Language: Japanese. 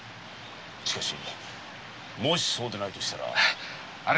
しかしもしそうでないとしたら。